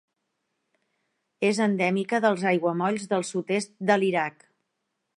És endèmica dels aiguamolls del sud-est de l'Iraq.